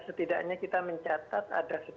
setidaknya kita mencatat ada